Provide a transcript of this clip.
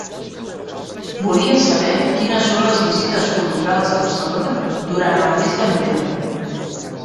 Volia saber quines son les visites culturals a Barcelona durant el mes de novembre.